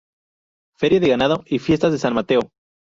Feria de ganado y fiestas de San Mateo.